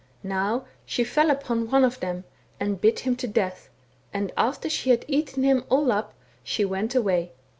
Now she fell upon one of them, and bit him to death, and after she had eaten him all up,, she went away.